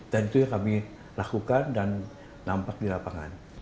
dan itu yang kami lakukan dan nampak di lapangan